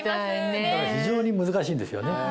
非常に難しいんですよね。